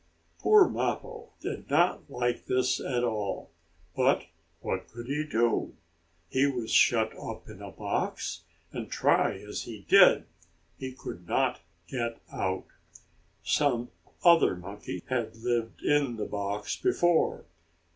Poor Mappo did not like this at all, but what could he do? He was shut up in a box, and try as he did, he could not get out. Some other monkey had lived in the box before.